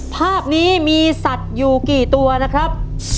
ภาพนี้มีสัตว์อยู่กี่ตัวนะครับ